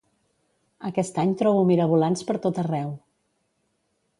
Aquest any trobo mirabolans per tot arreu